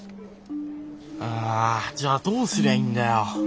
ああじゃあどうすりゃいいんだよ。